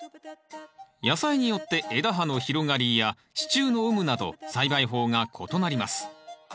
野菜によって枝葉の広がりや支柱の有無など栽培法が異なります。